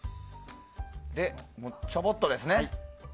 ちょこっとですね。